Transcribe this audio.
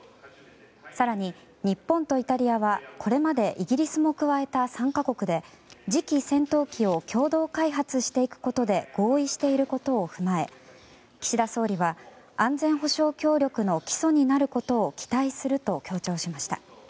更に、日本とイタリアはこれまでイギリスも加えた３か国で次期戦闘機を共同開発していくことで合意していることを踏まえ岸田総理は安全保障協力の基礎になることを期待すると強調しました。